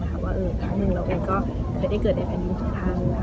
ได้ฝากค่ะว่าเออครั้งหนึ่งเราเองก็จะได้เกิดในแผ่นยุทธิ์ทุกทางค่ะ